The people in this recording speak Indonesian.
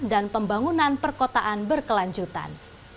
dan pembangunan perkotaan berkelanjutan